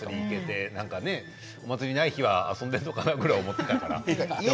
お祭りない日は遊んでいるのかなぐらい思っていたから。